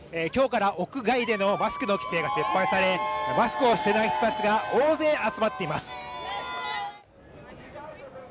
今日から屋外でのマスクの規制が撤廃されマスクをしていない人たちが大勢集まっています